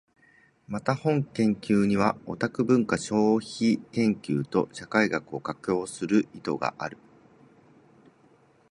また、本研究にはオタク文化消費研究と社会学を架橋する意図がある。